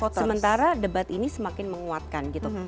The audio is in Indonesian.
sementara debat ini semakin menguatkan gitu